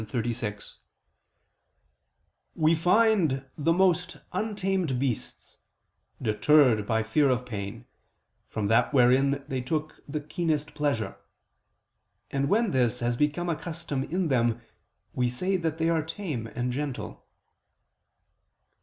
36): "We find the most untamed beasts, deterred by fear of pain, from that wherein they took the keenest pleasure; and when this has become a custom in them, we say that they are tame and gentle."